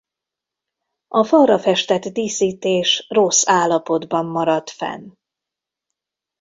A falra festett díszítés rossz állapotban maradt fenn.